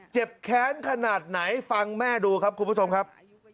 แค้นขนาดไหนฟังแม่ดูครับคุณผู้ชมครับ